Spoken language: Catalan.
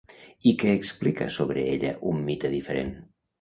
I què explica sobre ella un mite diferent?